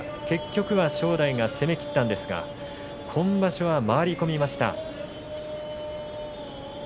結局は正代が攻めきったんですけれど今場所は回り込みました。